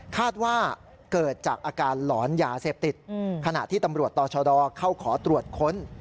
คาดว่าเกิดจากอาการหลอนยาเสพติดขณะที่ตำรวจต่อชดเข้าขอตรวจค้น